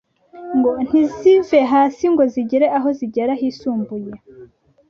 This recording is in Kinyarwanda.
ntizive hasi ngo zigire aho zigeza hisumbuye.